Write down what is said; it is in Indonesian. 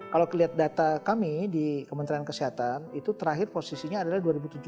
kalau kelihatan data kami di kementerian kesehatan itu terakhir posisinya adalah dua ribu tujuh belas